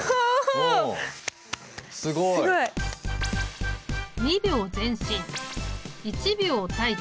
すごい！２秒前進１秒待機